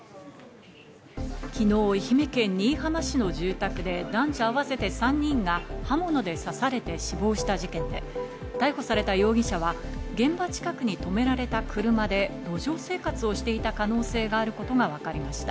昨日、愛媛県新居浜市の住宅で男女合わせて３人が刃物で刺されて死亡した事件で、逮捕された容疑者は現場近くに止められた車で路上生活をしていた可能性があることがわかりました。